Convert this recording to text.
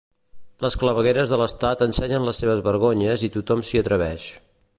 Les clavegueres de l’estat ensenyen les seves vergonyes i tothom s’hi atreveix.